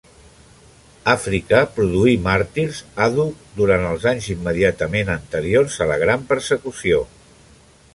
Àfrica produí màrtirs àdhuc durant els anys immediatament anteriors a la Gran Persecució.